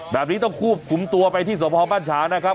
แบบนี้ต้องควบคุมตัวไปที่สมภาพบ้านฉางนะครับ